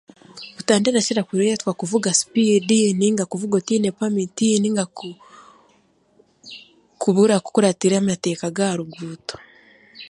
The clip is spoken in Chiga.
Butandu erakira kureetwa kuvuga sipiidi nainga okuvuga otaine pamiti nainga ku kubura kukuratira amateeka g'aha ruguuto